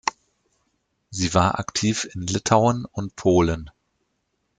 Sie war aktiv in Litauen und Polen.